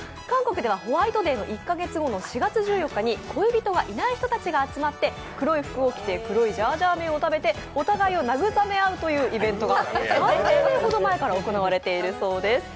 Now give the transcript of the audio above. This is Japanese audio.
韓国ではホワイトデーの１カ月後の４月１４日に恋人がいない人たちが集まって黒い服を着て黒いジャージャー麺を食べて、お互いを慰め合うというイベントが３０年ほど前から行われているそうです